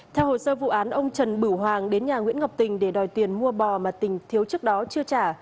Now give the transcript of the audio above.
theo hồ sơ vụ án ông trần bửu hoàng đến nhà nguyễn ngọc tình để đòi tiền mua bò mà tình thiếu trước đó chưa trả